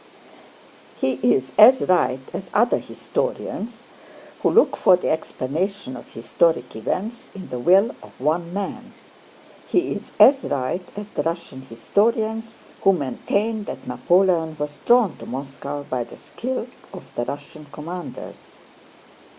He is as right as other historians who look for the explanation of historic events in the will of one man; he is as right as the Russian historians who maintain that Napoleon was drawn to Moscow by the skill of the Russian commanders.